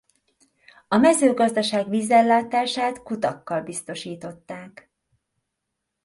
A mezőgazdaság vízellátását kutakkal biztosították.